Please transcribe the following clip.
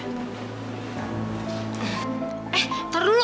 eh tunggu dulu